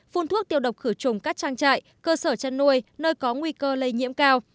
phun thuốc tiêu độc khử trùng các trang trại cơ sở chăn nuôi nơi có nguy cơ lây nhiễm cao